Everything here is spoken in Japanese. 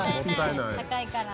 高いから。